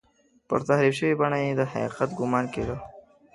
پر تحریف شوې بڼه به یې د حقیقت ګومان کېده.